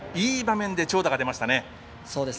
いい場面で長打が出ましたね。